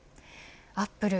アップル